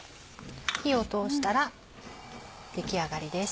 火を通したら出来上がりです。